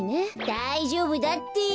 だいじょうぶだって！